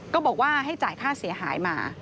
ก็บอกว่าให้จ่ายค่าเสียหายมา